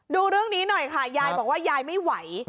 ดูเรื่องนี้หน่อยค่ะยายบอกว่ายายไม่ไหว